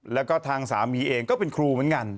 แล้วก็ทางสามีเองก็เป็นครูเหมือนกัน